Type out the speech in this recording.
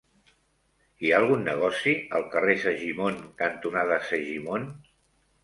Hi ha algun negoci al carrer Segimon cantonada Segimon?